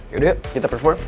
yaudah yuk kita perform